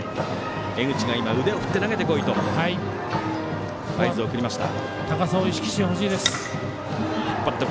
江口、腕を振って投げてこいと合図を送りました。